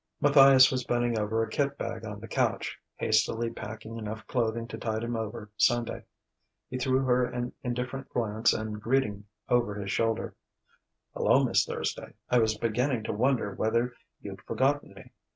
Matthias was bending over a kit bag on the couch, hastily packing enough clothing to tide him over Sunday. He threw her an indifferent glance and greeting over his shoulder. "Hello, Miss Thursday! I was beginning to wonder whether you'd forgotten me.